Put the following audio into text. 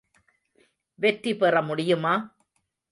வெற்றி பெற முடியுமா?